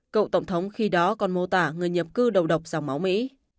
cựu tổng thống khi đó còn mô tả người nhập cư đầu độc dòng máu mỹ